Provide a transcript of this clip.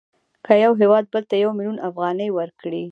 که یو هېواد بل ته یو میلیون افغانۍ ورکړي